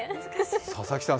佐々木さん